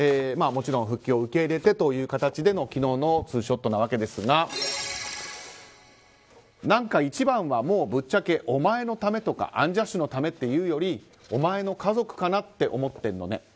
もちろん、復帰を受け入れてという形の昨日のツーショットなわけですが何か一番は、もうぶっちゃけお前のためとかアンジャッシュのためっていうよりお前の家族かなって思ってんのね。